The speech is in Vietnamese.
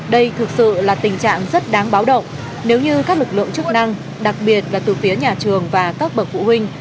đây thực sự là tình trạng rất đáng báo động nếu như các lực lượng chức năng đặc biệt là từ phía nhà trường và các bậc phụ huynh